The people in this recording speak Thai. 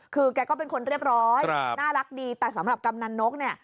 คือแกก็เป็นคนเรียบร้อยน่ารักดีแต่สำหรับกำนันนกเนี่ย